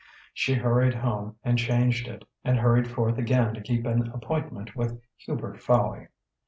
She hurried home and changed it, and hurried forth again to keep an appointment with Hubert Fowey.